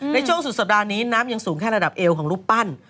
ในช่วงสุดสัปดาห์นี้น้ำยังสูงแค่ระดับเอวของรูปปั้น